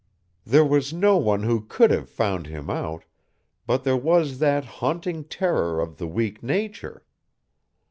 "There was no one who could have found him out, but there was that haunting terror of the weak nature.